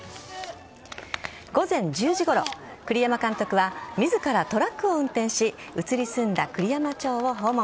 午前１０時ごろ、栗山監督は自らトラックを運転し移り住んだ栗山町を訪問。